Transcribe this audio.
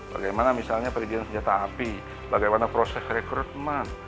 bagaimana misalnya pergian senjata api bagaimana proses rekrutmen